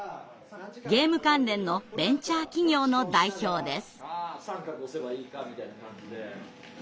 ゲーム関連のベンチャー企業の代表です。